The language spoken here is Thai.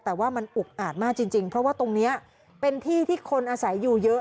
แต่ว่ามันอุกอาจมากจริงเพราะว่าตรงนี้เป็นที่ที่คนอาศัยอยู่เยอะ